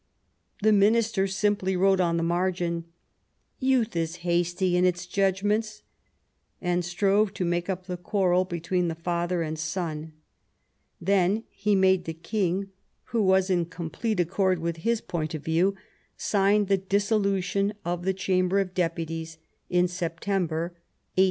The Minister simply wrote on the margin, " Youth is hasty in its judgments," and strove to make up the quarrel between the father and son ; then he made the King, who was in complete 64 The First Passage of Arms accord with his point of view, sign the Dissolution of the Chamber of Deputies, in September i86§.